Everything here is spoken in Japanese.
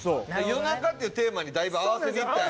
夜中っていうテーマにだいぶ合わせにいったんや。